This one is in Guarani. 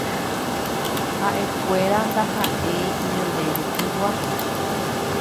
Haʼekuéra ndahaʼéi ñanderehegua.